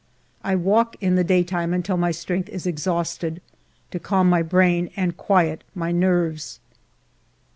I walk in the daytime until my strength is exhausted, to calm my brain and quiet my nerves.